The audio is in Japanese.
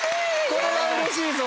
これはうれしいぞ。